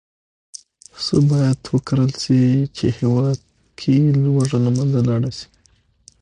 څه باید وکرل شي، چې هېواد کې لوږه له منځه لاړه شي.